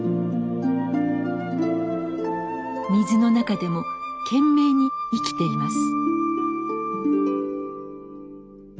水の中でも懸命に生きています。